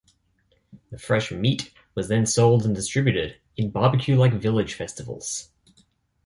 The fresh meat was then sold and distributed in barbecue-like village festivals.